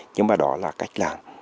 nhưng mà đó là cách làm